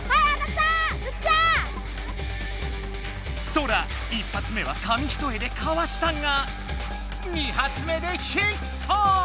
ソラ１発目は紙一重でかわしたが２発目でヒット！